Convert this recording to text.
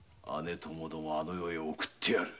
ともどもあの世へ送ってやる。